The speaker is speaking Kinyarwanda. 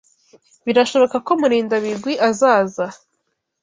Birashoboka ko Murindabigwi azaza.